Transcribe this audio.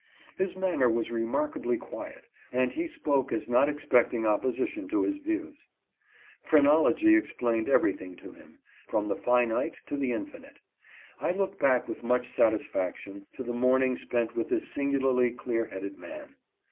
His manner was remarkably quiet, and he spoke as not expecting opposition to his views. Phrenology explained everything to him, from the finite to the infinite. I look back with much satis faction to the morning spent with this singularly clear headed man.